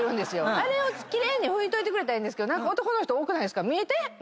あれを奇麗に拭いといてくれたらいいですけど何か男の人多くないですか？